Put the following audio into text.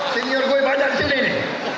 senior gue banyak disini nih